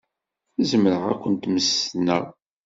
Zemreɣ ad kent-mmestneɣ.